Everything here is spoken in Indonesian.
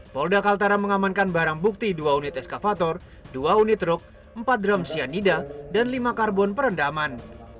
polda kaltara mengamankan barang bukti dua unit eskavator dua unit truk empat drum cyanida dan lima karbon perendaman